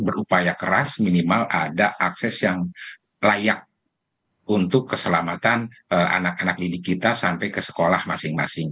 berupaya keras minimal ada akses yang layak untuk keselamatan anak anak didik kita sampai ke sekolah masing masing